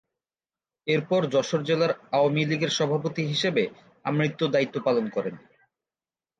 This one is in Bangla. এর পর যশোর জেলা আওয়ামী লীগের সভাপতি হিসেবে আমৃত্যু দায়িত্ব পালন করেন।